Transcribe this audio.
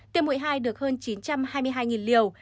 tiêm mũi hai được hơn chín trăm hai mươi hai liều